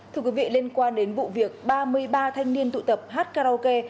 thưa quý vị liên quan đến vụ việc ba mươi ba thanh niên tụ tập hát karaoke